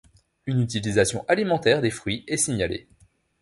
Une utilisation alimentaire des fruits est signalée.